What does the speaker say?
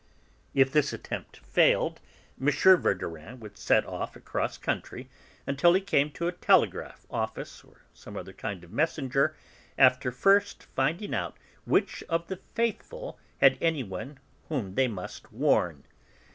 If this attempt failed, M. Verdurin would set off across country until he came to a telegraph office or some other kind of messenger, after first finding out which of the 'faithful' had anyone whom they must warn.